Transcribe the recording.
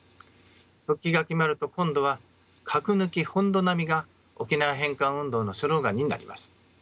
復帰が決まると今度は核抜き・本土並みが沖縄返還運動のスローガンになります。